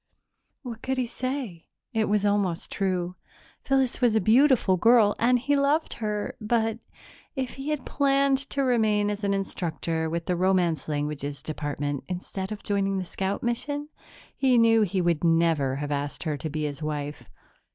What could he say? It was almost true. Phyllis was a beautiful girl and he loved her, but, if he had planned to remain as an instructor with the Romance Languages Department instead of joining the scout mission, he knew he would never have asked her to be his wife